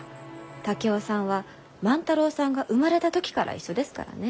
竹雄さんは万太郎さんが生まれた時から一緒ですからね。